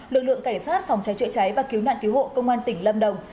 lực lượng cảnh sát phòng trái trợ cháy và cứu nạn cứu hộ công an tỉnh lâm đồng